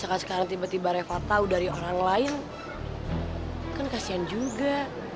kan kasihan juga